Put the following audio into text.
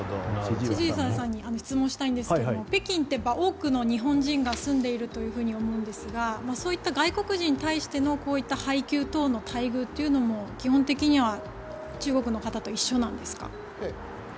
千々岩さんに質問したいんですが北京って多くの日本人が住んでいると思うんですが外国人に対しての配給等の待遇も基本的には中国の方と一緒なんですか？